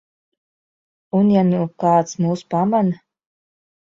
Un ja nu kāds mūs pamana?